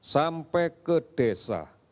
sampai ke desa